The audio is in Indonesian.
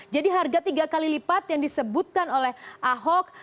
jadi harga tiga kali lipat yang disebutkan oleh ahok